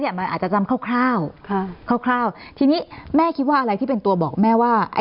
มันอาจจะจำคร่าวคร่าวทีนี้แม่คิดว่าอะไรที่เป็นตัวบอกแม่ว่า